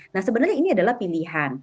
nah sebenarnya ini adalah pilihan